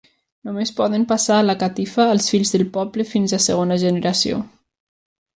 Només poden passar la catifa els fills del poble fins a segona generació.